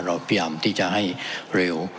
เราพยายามที่จะให้เร็ว